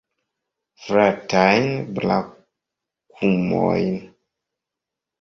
Fratajn brakumojn!